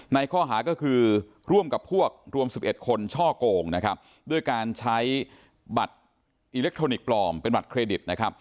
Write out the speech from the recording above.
ในข้อหาก็คือร่วมกับพวกรวม๑๑คนช่อโกงนะครับด้วยการใช้บัตรอิเล็กทรอนิกส์ปลอมเป็นบัตรเครดิตนะครับ